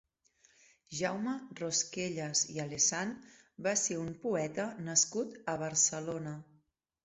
Jaume Rosquellas i Alessan va ser un poeta nascut a Barcelona.